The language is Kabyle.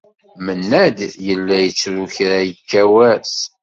Mennad yella yettru kra yekka wass.